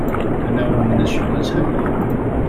可能我們的許多產業